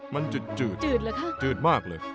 มันจืดจืดเหรอคะจืดมากเลย